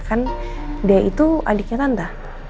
kan dia itu adiknya tante